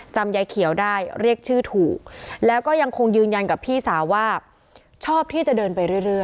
ยายเขียวได้เรียกชื่อถูกแล้วก็ยังคงยืนยันกับพี่สาวว่าชอบที่จะเดินไปเรื่อย